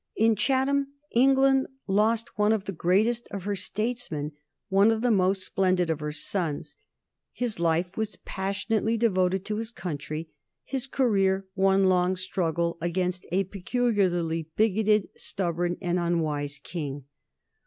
In Chatham England lost one of the greatest of her statesmen, one of the most splendid of her sons. His life was passionately devoted to his country, his career one long struggle against a peculiarly bigoted, stubborn, and unwise King.